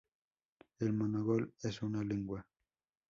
El mongol es una lengua.